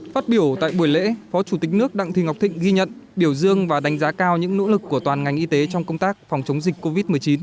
phát biểu tại buổi lễ phó chủ tịch nước đặng thị ngọc thịnh ghi nhận biểu dương và đánh giá cao những nỗ lực của toàn ngành y tế trong công tác phòng chống dịch covid một mươi chín